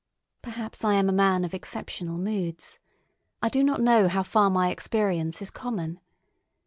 Perhaps I am a man of exceptional moods. I do not know how far my experience is common.